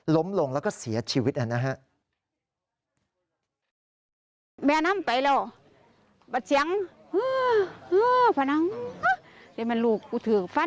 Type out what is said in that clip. ล้มลงแล้วก็เสียชีวิตอันนั้นฮะ